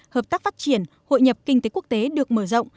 hợp tác phát triển hội nhập kinh tế quốc tế được mở rộng